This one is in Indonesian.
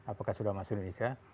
apakah sudah masuk indonesia